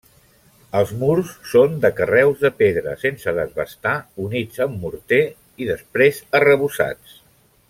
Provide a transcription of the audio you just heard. Els murs són de carreus de pedra sense desbastar units amb morter, després arrebossats.